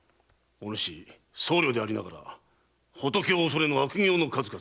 僧侶でありながら仏を恐れぬ悪行の数々。